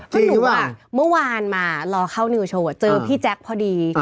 จริงหรือเปล่าเมื่อวานมารอเข้านิวโชว์เจอพี่แจ๊กพอดี